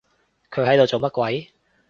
佢喺度做乜鬼？